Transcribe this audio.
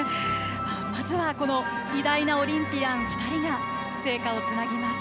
まずはこの偉大なオリンピアン２人が聖火をつなぎます。